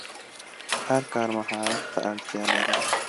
هر کار مهارت ته اړتیا لري.